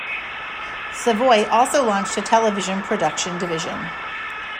Savoy also launched a television production division.